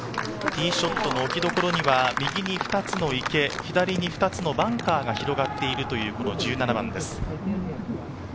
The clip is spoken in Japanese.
ティーショットの置き所には右に２つの池、左に２つのバンカーが広がっている１７番です。